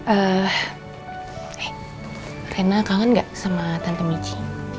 eh rena kangen gak sama tante michi